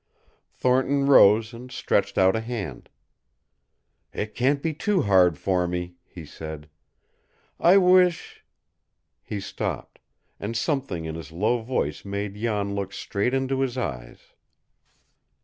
Thornton rose and stretched out a hand. "It can't be too hard for me," he said. "I wish " He stopped, and something in his low voice made Jan look straight into his eyes.